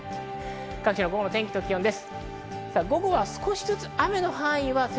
各地の午後の天気です。